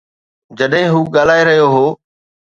جڏهن هو ڳالهائي رهيو هو.